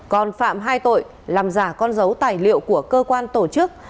còn phạm hai tội làm giả con dấu tài liệu của cơ quan tổ chức